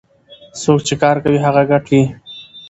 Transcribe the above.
څوک چې کار کوي هغه ګټي.